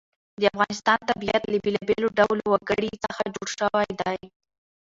د افغانستان طبیعت له بېلابېلو ډولو وګړي څخه جوړ شوی دی.